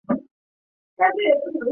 耿弇之弟耿国的玄孙。